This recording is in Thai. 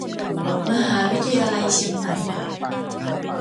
มหาวิทยาลัยเชียงใหม่